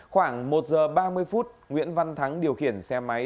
khoảng một giờ ba mươi phút nguyễn văn thắng điều khiển xe máy